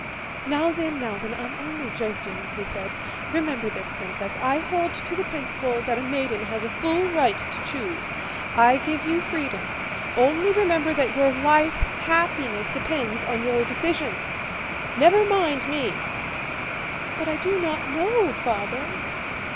"Now then, now then, I'm only joking!" he said. "Remember this, Princess, I hold to the principle that a maiden has a full right to choose. I give you freedom. Only remember that your life's happiness depends on your decision. Never mind me!" "But I do not know, Father!"